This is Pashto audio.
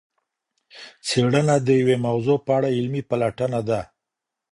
څېړنه د یوې موضوع په اړه علمي پلټنه ده.